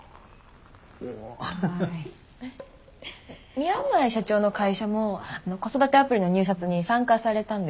宮前社長の会社も子育てアプリの入札に参加されたんですよね？